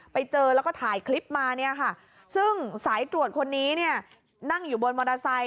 ไปเจอแล้วก็ถ่ายคลิปมาซึ่งสายตรวจคนนี้นั่งอยู่บนมอเตอร์ไซค์